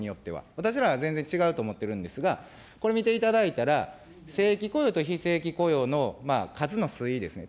私らは全然違うと思ってるんですが、これ見ていただいたら、正規雇用と非正規雇用の数の推移ですね。